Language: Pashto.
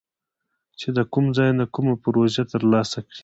چې د کوم ځای نه کومه پروژه تر لاسه کړي